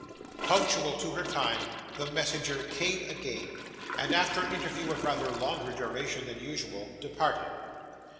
Punctual to her time, the messenger came again, and, after an interview of rather longer duration than usual, departed.